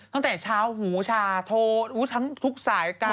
ตั้งแต่เช้าหูชาโทรทั้งทุกสายการ